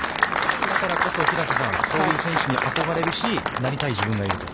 だからこそ、平瀬さん、そういう選手に憧れるし、なりたい自分がいると。